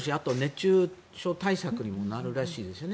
熱中症対策にもなるらしいですよね